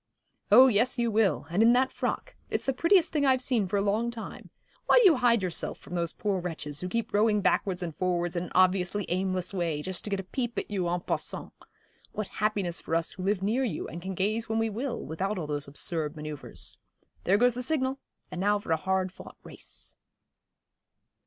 'Oh yes, you will, and in that frock. It's the prettiest thing I've seen for a long time. Why do you hide yourself from those poor wretches, who keep rowing backwards and forwards in an obviously aimless way, just to get a peep at you en passant? What happiness for us who live near you, and can gaze when we will, without all those absurd manoeuvres. There goes the signal and now for a hard fought race.'